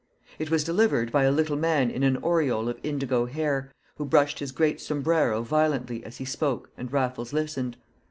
It was delivered by a little man in an aureole of indigo hair, who brushed his great sombrero violently as he spoke and Raffles listened.